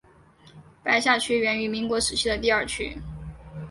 白下区源于民国时期的第二区。